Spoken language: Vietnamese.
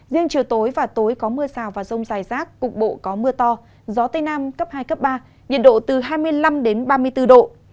riêng chiều tối và tối có mưa rào và rông dài rác cục bộ có mưa to gió tây nam cấp hai cấp ba nhiệt độ từ hai mươi năm đến ba mươi bốn độ